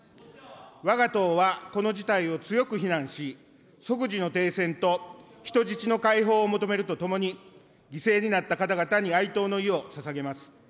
わが党は、この事態を強く非難し、即時の停戦と人質の解放を求めるとともに、犠牲になった方々に哀悼の意をささげます。